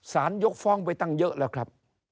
ยกฟ้องไปตั้งเยอะแล้วครับ